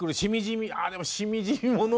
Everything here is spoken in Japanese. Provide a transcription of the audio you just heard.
あでもしみじみもの